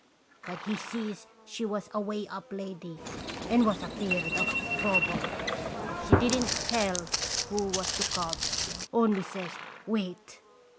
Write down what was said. But he sees she was a way up lady and was afeard of trouble. She didn't tell who was to come, only says 'Wait!'